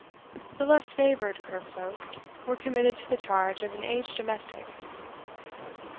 The less favoured kirk folk were committed to the charge of an aged domestic.